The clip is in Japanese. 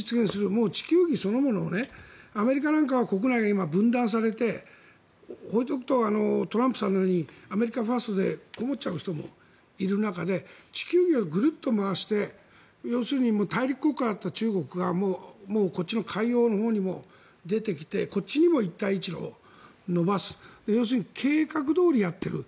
もう地球儀そのものをアメリカなんかは今、国内が分断されて放っておくとトランプさんのようにアメリカファーストで困っちゃう人もいる中で地球儀をグルッと回して要するに大陸国家だった中国がもう海洋のほうに出てきてこっちにも一帯一路を伸ばす要するに計画どおりにやっている。